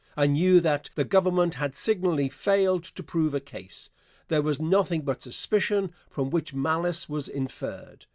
I knew that the Government had signally failed to prove a case. There was nothing but suspicion, from which malice was inferred.